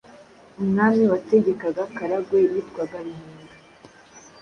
Umwami wategekaga Karagwe yitwaga Ruhinda.